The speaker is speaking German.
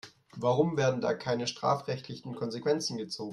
Warum werden da keine strafrechtlichen Konsequenzen gezogen?